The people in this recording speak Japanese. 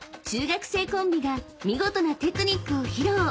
［中学生コンビが見事なテクニックを披露］